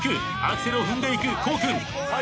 アクセルを踏んでいく胡央君。